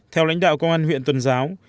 theo lãnh đạo công an huyện tuần giáo